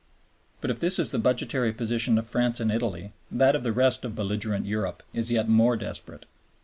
But if this is the budgetary position of France and Italy, that of the rest of belligerent Europe is yet more desperate.